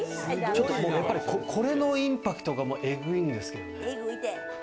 やっぱり、これのインパクトがエグいんですけど。